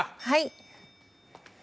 はい。